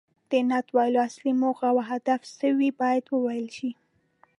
د نعت ویلو اصلي موخه او هدف څه وي باید وویل شي.